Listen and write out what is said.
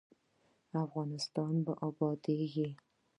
افغانستان به ابادیږي